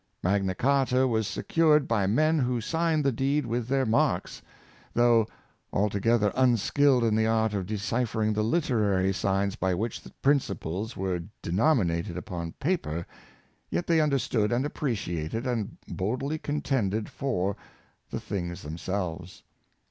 Magna Charta was secured by men who signed the deed with their marks. Though altogether unskilled in the art Learning and Character. 303 of deciphering the literary signs by which principles were denominated upon paper, yet they understood and appreciated, and boldly contended for, the things themselves.